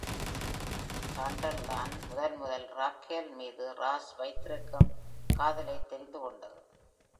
சான்ட்லர்தான் முதன் முதல் ராக்கேல் மீது ராஸ் வைத்திருக்கும் காதலை தெரிந்து கொண்டது.